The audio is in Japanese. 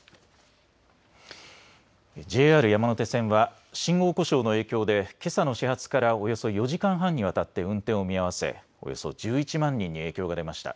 ＪＲ山手線は信号故障の影響でけさの始発からおよそ４時間半にわたって運転を見合わせおよそ１１万人に影響が出ました。